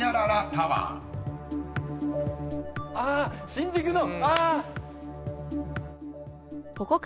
新宿の。